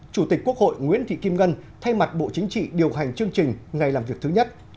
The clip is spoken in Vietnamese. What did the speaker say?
chủ tịch quốc hội nguyễn thị kim ngân thay mặt bộ chính trị điều hành chương trình ngày làm việc thứ nhất